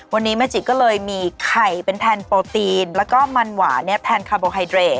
วันนี้แม่จิก็เลยมีไข่เป็นแทนโปรตีนแล้วก็มันหวานเนี่ยแทนคาโบไฮเดร